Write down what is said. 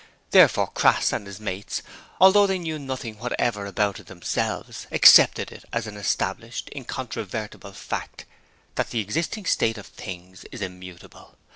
Therefore Crass and his mates, although they knew nothing whatever about it themselves, accepted it as an established, incontrovertible fact that the existing state of things is immutable.